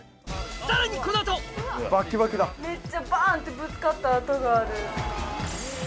さらにこの後めっちゃバン！ってぶつかった跡がある。